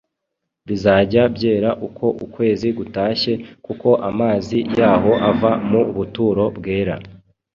bizajya byera uko ukwezi gutashye, kuko amazi yaho ava mu buturo bwera;